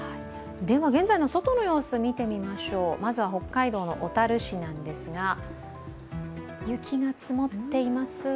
現在の外の様子、見てみましょうまずは北海道小樽市ですが、雪が積もっています。